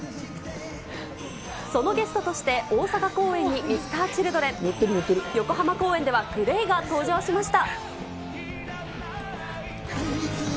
そのゲストとして、大阪公演にＭｒ．Ｃｈｉｌｄｒｅｎ、横浜公演ではＧＬＡＹが登場しました。